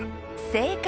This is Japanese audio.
正解！